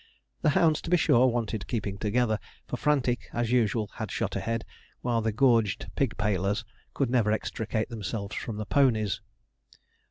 The hounds, to be sure, wanted keeping together, for Frantic as usual had shot ahead, while the gorged pigpailers could never extricate themselves from the ponies.